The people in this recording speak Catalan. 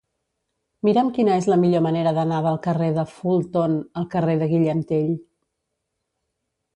Mira'm quina és la millor manera d'anar del carrer de Fulton al carrer de Guillem Tell.